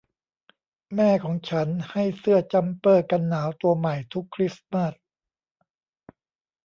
แม่ของฉันให้เสื้อจัมเปอร์กันหนาวตัวใหม่ทุกคริสต์มาส